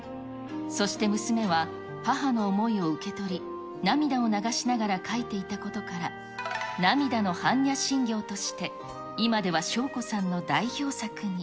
そして娘は母の思いを受け取り、涙を流しながら書いていたことから、涙の般若心経として、今では翔子さんの代表作に。